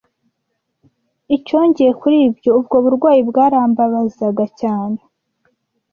Icyongeye kuri ibyo, ubwo burwayi bwarambabazaga cyane.